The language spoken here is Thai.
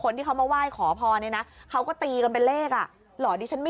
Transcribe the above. เลขสนัดคล้ายเหมือนกันนะอ๋อ